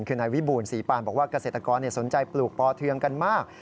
คือนายวิบูรศรีปานบอกว่าเกษตรกรสนใจปลูกปอเทืองกันมาก